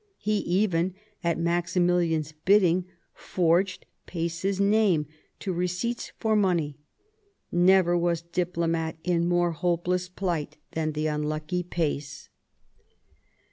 He even, at Maximilian's bidding, forged Pace's name to receipts for money. Never was diplomat in more hopeless plight than the unlucky Pace.